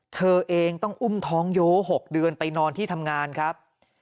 เธอเองต้องอุ้มท้องโย๖เดือนไปนอนที่ทำงานครับ